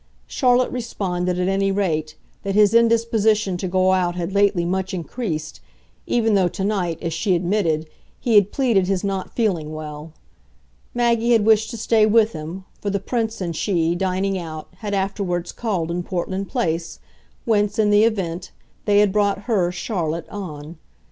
Charlotte responded, at any rate, that his indisposition to go out had lately much increased even though to night, as she admitted, he had pleaded his not feeling well. Maggie had wished to stay with him for the Prince and she, dining out, had afterwards called in Portland Place, whence, in the event, they had brought her, Charlotte, on.